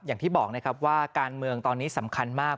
อย่างที่บอกนะครับว่าการเมืองตอนนี้สำคัญมาก